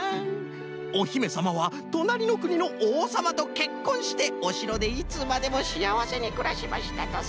「おひめさまはとなりのくにのおうさまとけっこんしておしろでいつまでもしあわせにくらしましたとさ」。